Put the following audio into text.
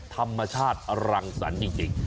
ธรรมชาติรังสรรค์จริง